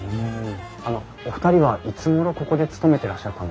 あのお二人はいつごろここで勤めてらっしゃったんですか？